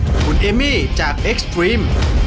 คุณเอมี่จากเอ็กซ์ตรีม